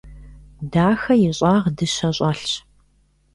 Дахэ и щӀагъ дыщэ щӀэлъщ.